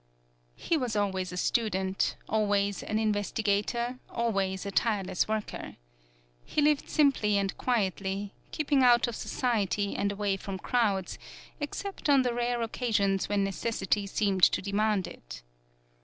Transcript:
He was always a student, always an investigator, always a tireless worker. He lived simply and quietly keeping out of society and away from crowds, except on the rare occasions when necessity seemed to demand it.